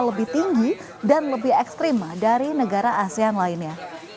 lebih tinggi dan lebih ekstrim dari negara asean lainnya